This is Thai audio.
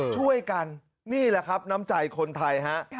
ช่วยกันนี่แหละครับน้ำใจคนไทยฮะ